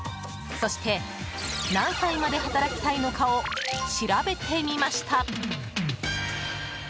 そして、何歳まで働きたいのかを調べてみました。